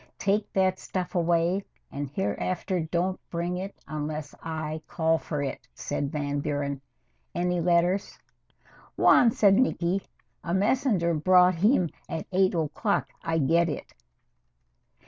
"Take that stuff away and hereafter don't bring it unless I call for it," said Van Buren. "Any letters?" "One," said Niki. "A messenger brought him at eight o'clock. I get it."